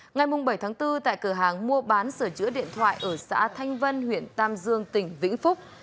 ngày bảy tháng bốn tại cửa hàng mua bán sửa chữa điện thoại ở xã thanh vân huyện tam dương tỉnh vĩnh phúc